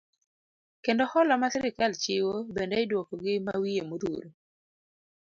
Kendo hola ma sirikal chiwo, bende iduoko gi mawiye modhuro.